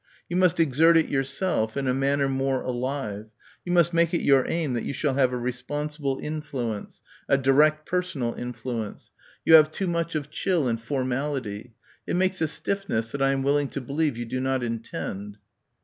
You must exert it yourself, in a manner more alive, you must make it your aim that you shall have a responsible influence, a direct personal influence. You have too much of chill and formality. It makes a stiffness that I am willing to believe you do not intend."